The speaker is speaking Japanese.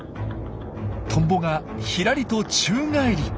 トンボがひらりと宙返り。